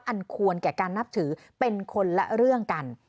อันควรแก่การนับถือเป็นคนละเรื่องกัน